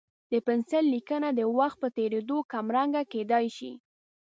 د پنسل لیکنه د وخت په تېرېدو کمرنګه کېدای شي.